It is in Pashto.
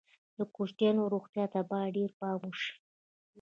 د کوچنیانو روغتیا ته باید ډېر پام وشي.